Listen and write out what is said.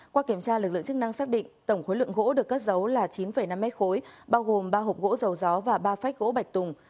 qua kiểm tra lực lượng chức năng xác định tổng khối lượng gỗ được cất giấu là chín năm m ba bao gồm ba hộp gỗ dầu gió và ba phách gỗ bạch tùng